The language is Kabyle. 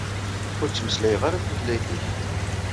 Ur ttmeslayeɣ ara tutlayt-ik.